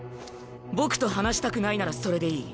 僕と話したくないならそれでいい。